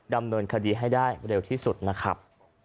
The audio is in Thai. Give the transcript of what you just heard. ดำเนินคดีให้ได้เร็วที่สุดนะครับ